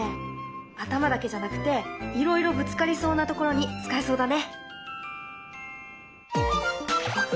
頭だけじゃなくていろいろぶつかりそうなところに使えそうだね。